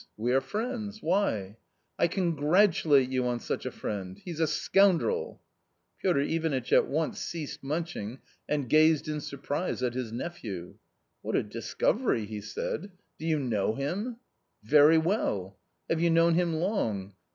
" We are friends ; why ?"" I congratulate you on such a friend — he's a scoundrel !" Piotr Ivanitch at once ceased munching and gazed in surprise at his nephew. 11 What a discovery !" he said; " do you know him ?"" Very well." " Have you known him long